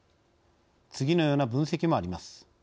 次のような分析もあります。